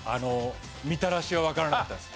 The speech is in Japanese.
みたらしはわからなかったです。